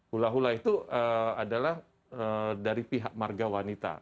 hula hula itu adalah dari pihak marga wanita